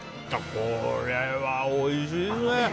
これはおいしいですね。